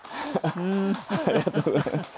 ありがとうございます。